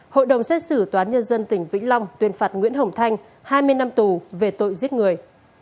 hội đồng xét xử toán nhân dân tỉnh vĩnh long tuyên phạt nguyễn hồng thanh hai mươi năm tù về tội giết người